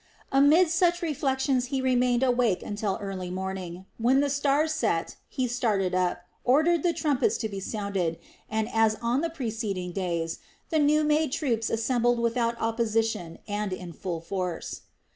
Amid such reflections he remained awake until early morning; when the stars set, he started up, ordered the trumpets to be sounded, and as on the preceding days, the new made troops assembled without opposition and in full force.